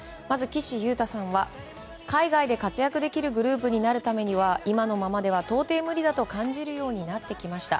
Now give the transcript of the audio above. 岸優太さんは海外で活躍できるグループになるためには今のままでは到底無理だと感じるようになってきました。